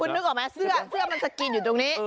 นึกออกไหมเสื้อเสื้อมันสกรีนอยู่ตรงนี้